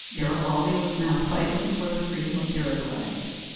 Garibaldi was now fighting for the freedom of Uruguay.